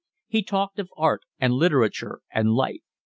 He talked of art, and literature, and life.